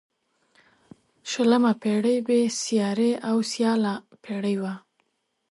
شلمه پيړۍ بې سیارې او سیاله پيړۍ وه.